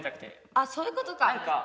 あそういうことか！